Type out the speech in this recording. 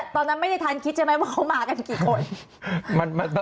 ตอนนั้นไม่ได้ทันคิดใช่ไหมว่าเขามากันกี่คน